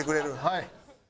はい。